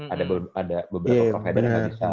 ada beberapa provider yang nggak bisa